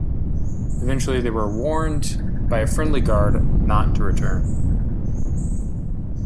Eventually, they were warned by a friendly guard not to return.